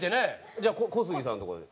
じゃあ小杉さんとかで。